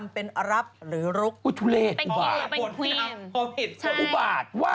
เป็นคุยครับ